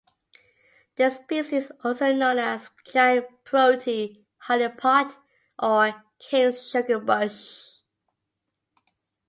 The species is also known as giant protea, honeypot or king sugar bush.